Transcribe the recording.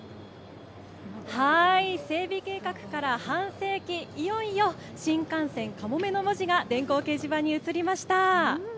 整備計画から半世紀、いよいよ新幹線かもめの文字が電光掲示板に映りました。